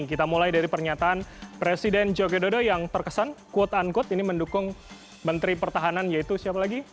kita mulai dari pernyataan presiden jogedo yang terkesan quote unquote ini mendukung menteri pertahanan yaitu siapa lagi